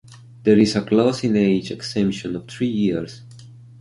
There is a close-in-age exemption of three years.